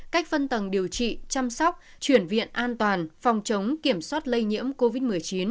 cách phân tầng điều trị chăm sóc chuyển viện an toàn phòng chống kiểm soát lây nhiễm covid một mươi chín